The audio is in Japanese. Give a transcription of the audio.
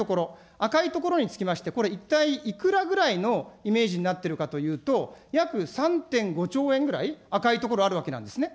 赤いところにつきまして、これ、一体いくらぐらいのイメージになっているかというと、約３．５兆円ぐらい、赤いところあるわけなんですね。